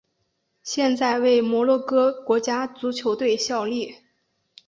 现在为摩洛哥国家足球队效力。